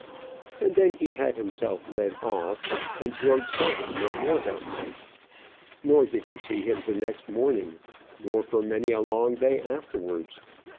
and then he had himself led off, and George saw him no more that night. Nor did he see him the next morning; nor for many a long day afterwards.